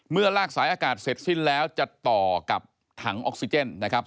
ลากสายอากาศเสร็จสิ้นแล้วจะต่อกับถังออกซิเจนนะครับ